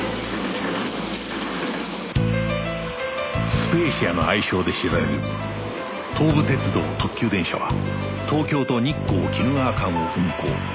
「スペーシア」の愛称で知られる東武鉄道特急電車は東京と日光・鬼怒川間を運行